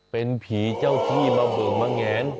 เป็นผีเจ้าที่มาเบิกมาแงน